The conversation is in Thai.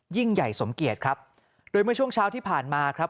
ยิ่งใหญ่สมเกียจครับโดยเมื่อช่วงเช้าที่ผ่านมาครับ